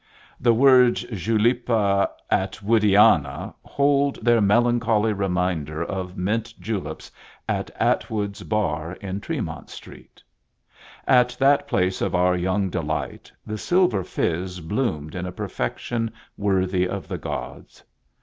The words Julepa Attwoodiana hold their melancholy reminder of mint juleps at Attwood's bar in Tremont Street. At that place of our young delight the "Silver Fizz" bloomed in a perfection worthy of the gods.